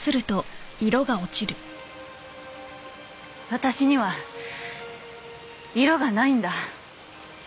私には色がないんだ。